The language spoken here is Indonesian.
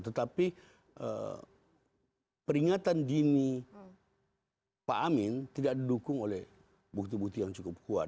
tetapi peringatan dini pak amin tidak didukung oleh bukti bukti yang cukup kuat